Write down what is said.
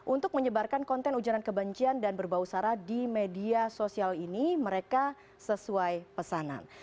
untuk menyebarkan konten ujaran kebencian dan berbau sara di media sosial ini mereka sesuai pesanan